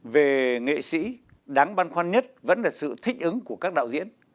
về nghệ sĩ đáng băn khoăn nhất vẫn là sự thích ứng của các đạo diễn